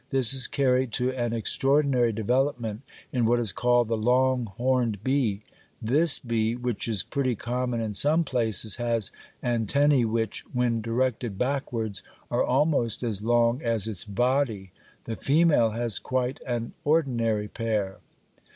This is carried to an extraordinary development in what is called the "long horned bee"; this bee, which is pretty common in some places, has antennæ which, when directed backwards, are almost as long as its body the female has quite an ordinary pair.